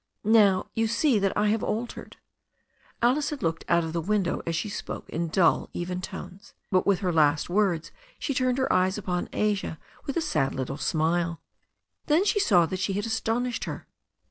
Now you see that I have altered." Alice had looked out of the window as she spoke in dull, even tones, but with her last words she turned her eyes upon Asia with a sad little smile. Then she saw that she had astonished her.